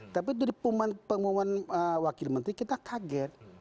tapi dari pengumuman wakil menteri kita kaget